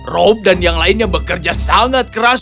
rob dan yang lainnya bekerja sangat keras